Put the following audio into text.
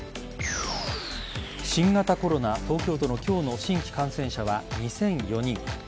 新型コロナ東京都の今日の新規感染者は２００４人。